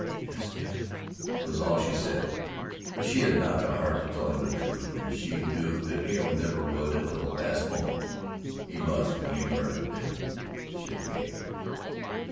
"Yes, Dad," was all she said, for she had not the heart to tell him the truth, and she knew that Hale never would until the last moment he must, when he learned that she had failed.